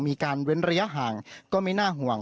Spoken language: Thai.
เว้นระยะห่างก็ไม่น่าห่วง